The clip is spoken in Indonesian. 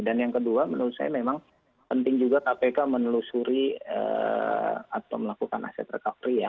dan yang kedua menurut saya memang penting juga kpk menelusuri atau melakukan aset recovery ya